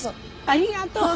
ありがとう！